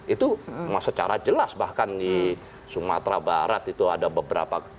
itu secara jelas bahkan di sumatera barat itu ada beberapa